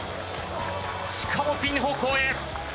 しかも、ピン方向へ。